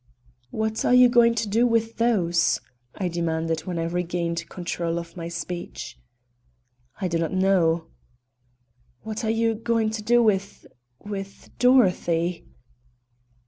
"What are you going to do with those?" I demanded when I regained control of my speech. "I do not know." "What are you going to do with with Dorothy?"